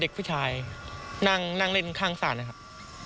เด็กผู้ชายนั่งเล่นข้างศาลนะครับ